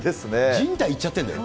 じん帯いっちゃってるんだよ。